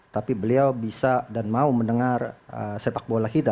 tapi beliau bisa dan mau mendengar sepak bola kita